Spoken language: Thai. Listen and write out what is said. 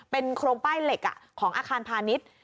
เป็นโครงป้ายเหล็กของอาคารพาณิชย์